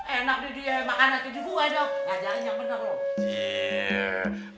enak deh dia